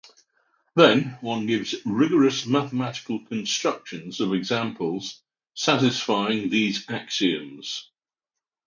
Then, one gives rigorous mathematical constructions of examples satisfying these axioms.